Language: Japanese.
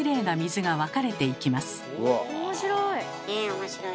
面白い。